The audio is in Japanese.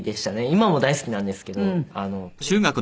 今も大好きなんですけど。